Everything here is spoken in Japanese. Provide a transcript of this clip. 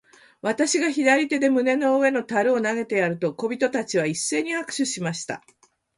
私が左手で胸の上の樽を投げてやると、小人たちは一せいに拍手しました。